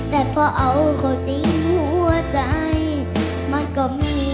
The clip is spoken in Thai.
แต่พอเอาขอจริงหัวใจมันก็ไม่เหลือ